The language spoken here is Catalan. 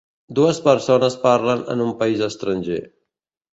Dues persones parlen en un país estranger.